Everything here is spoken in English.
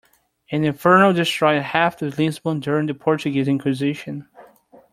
An inferno destroyed half of Lisbon during the Portuguese inquisition.